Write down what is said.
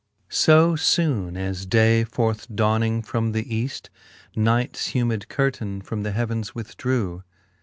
SO foone as day, forth dawning from the Eaft, Nights humid curtaine from the heavens withdrew.